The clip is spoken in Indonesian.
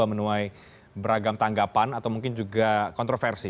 menuai beragam tanggapan atau mungkin juga kontroversi